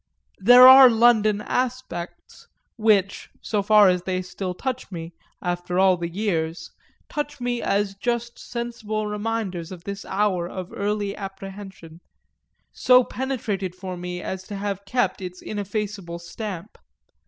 There are London aspects which, so far as they still touch me, after all the years, touch me as just sensible reminders of this hour of early apprehension, so penetrated for me as to have kept its ineffaceable stamp.